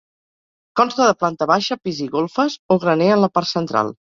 Consta de planta baixa, pis i golfes o graner en la part central.